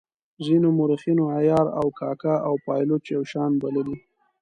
ځینو مورخینو عیار او کاکه او پایلوچ یو شان بللي.